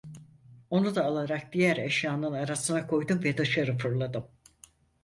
Onu da alarak diğer eşyanın arasına koydum ve dışarı fırladım.